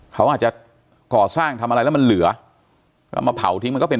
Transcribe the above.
เขาอาจจะก่อสร้างทำอะไรแล้วมันเหลือเอามาเผาทิ้งมันก็เป็น